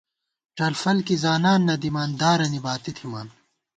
ڄلفل کی زانان نہ دِمان دارَنی باتی تھِمان